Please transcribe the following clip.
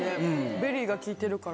ベリーが効いてるから。